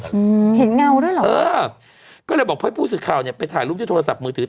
แมนชีวิตเห็นเงาด้วยเหรอก็เลยบอกผู้สื่อข่าวเร็วไปถ่ายรูปที่โทรศัพท์มือถือ